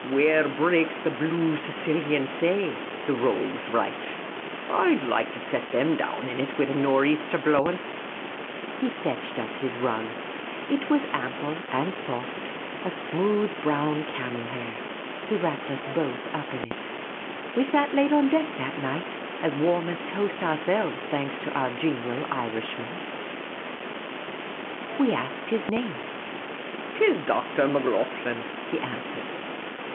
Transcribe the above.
Where breaks the blue Sicilian say,' the rogues write. I'd like to set them down in it, wid a nor' easter blowing !" He fetched up his rug. It was ample and soft, a smooth 1 84 Miss Caylcy's Adventures brown camel hair. He wrapped us both up in it. We sat late on deck that night, as warm as toast ourselves, thanks to our genial Irishman. T IS DR. MACLOGHLEN, HE ANSWERED. We asked his name. " 'T is Dr. Macloghlen," he an swered.